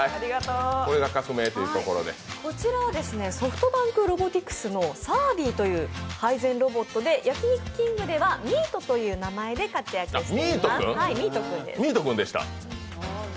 こちらはソフトバンクロボティクスのＳｅｒｖｉという配膳ロボットで焼肉きんぐでは、みーとという名前で活躍しています。